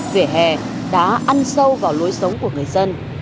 vỉa hè đã ăn sâu vào lối sống của người dân